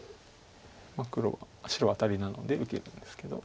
白はアタリなので受けるんですけど。